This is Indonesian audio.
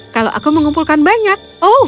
kalau aku mengumpulkan banyak